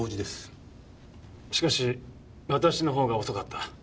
しかし私の方が遅かった。